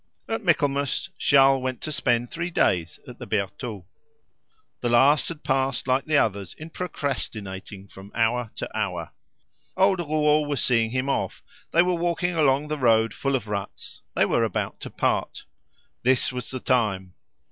At Michaelmas Charles went to spend three days at the Bertaux. The last had passed like the others in procrastinating from hour to hour. Old Rouault was seeing him off; they were walking along the road full of ruts; they were about to part. This was the time.